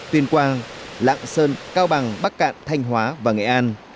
tuyên quang lạng sơn cao bằng bắc cạn thanh hóa và nghệ an